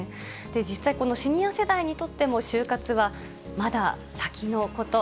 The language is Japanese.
実際、このシニア世代にとっても終活はまだ先のこと。